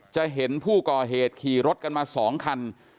จะเห็นผู้ก่อเหตุขี่รถกันมา๒คัน